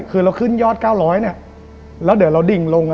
คือเราขึ้นยอด๙๐๐เนี่ยแล้วเดี๋ยวเราดิ่งลง